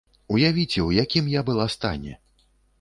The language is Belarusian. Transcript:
Уявіце, у якім я была стане!